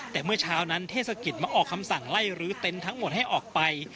แต่เมื่อเช้านั้นเทศกิจมาออกคำสั่งไล่รื้อเต็นต์ทั้งหมดให้ออกไป